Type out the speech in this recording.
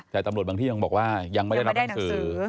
แต่ตำรวจบางที่ยังบอกว่ายังไม่ได้รับหนังสือ